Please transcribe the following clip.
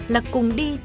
là cùng đi trinh sát